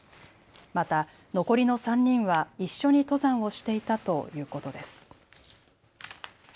また残りの３人は一緒に登山をしていたということです。